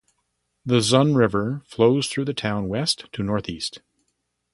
The Xun River flows through the town west to northeast.